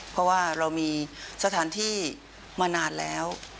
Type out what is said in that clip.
เพราะว่าเรามีสถานที่มานานแล้ว